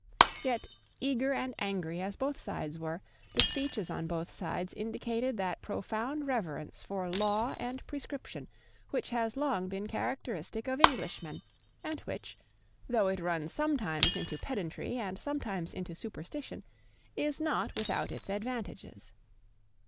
Yet, eager and angry as both sides were, the speeches on both sides indicated that profound reverence for law and prescription which has long been characteristic of Englishmen, and which, though it runs sometimes into pedantry and sometimes into superstition, is not without its advantages.